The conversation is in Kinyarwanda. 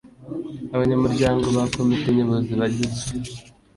Abanyamuryango Ba Komite Nyobozi Bagizwe